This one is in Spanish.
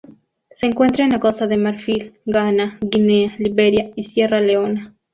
Se encuentra en la Costa de Marfil, Ghana, Guinea, Liberia y Sierra Leona.